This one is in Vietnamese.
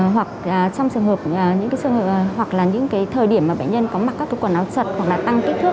hoặc trong những thời điểm mà bệnh nhân có mặc các quần áo chật hoặc là tăng kích thước